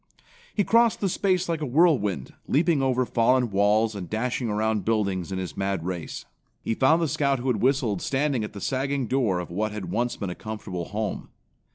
He crossed the space like a whirlwind, leaping over fallen walls and dashing around buildings in his mad race. He found the Scout who had whistled standing at the sagging door of what had once been a comfortable home.